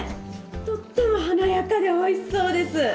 とっても華やかでおいしそうです。